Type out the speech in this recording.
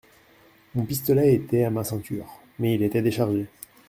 Mon pistolet était à ma ceinture, mais il était déchargé.